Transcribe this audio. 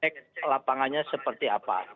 saya juga sedang melihat ek lapangannya seperti apa